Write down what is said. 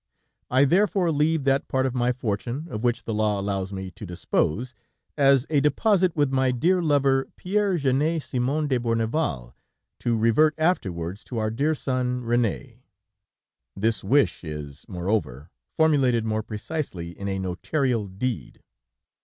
"'I therefore leave that part of my fortune of which the law allows me to dispose, as a deposit with my dear lover Pierre Gennes Simon de Bourneval, to revert afterwards to our dear son, René. "'(This wish is, moreover, formulated more precisely in a notarial deed).